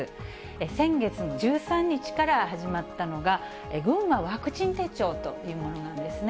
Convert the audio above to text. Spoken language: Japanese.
先月の１３日から始まったのが、ぐんまワクチン手帳というものなんですね。